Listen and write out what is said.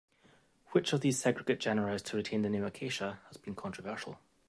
Which of these segregate genera is to retain the name "Acacia" has been controversial.